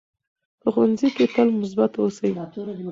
په ښوونځي کې تل مثبت اوسئ.